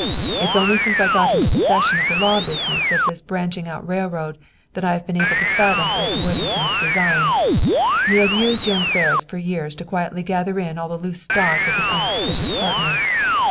It's only since I got into possession of the law business of this branching out railroad that I have been able to fathom old Worthington's designs. "He has used young Ferris for years to quietly gather in all the loose stock of his unsuspicious partners.